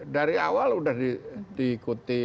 dari awal udah diikuti